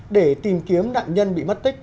để tìm kiếm nạn nhân bị mất tích